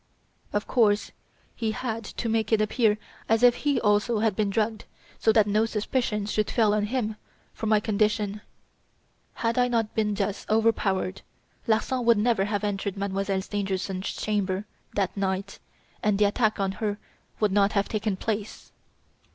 Of course he had to make it appear as if he also had been drugged so that no suspicion should fall on him for my condition. Had I not been thus overpowered, Larsan would never have entered Mademoiselle Stangerson's chamber that night, and the attack on her would not have taken place."